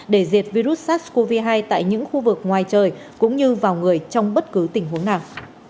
để diệt virus sars cov hai tại những khu vực ngoài trời cũng như vào người trong bất cứ tình huống nào